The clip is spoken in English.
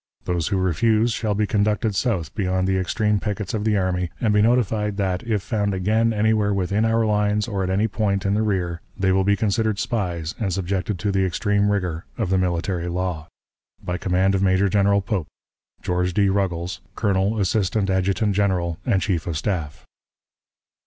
Those who refuse shall be conducted south beyond the extreme pickets of the army, and be notified that, if found again anywhere within our lines or at any point in the rear, they will be considered spies, and subjected to the extreme rigor of the military law. ... "By command of Major General Pope: "GEORGE D. RUGGLES, "_Colonel, A. A. General, and Chief of Staff.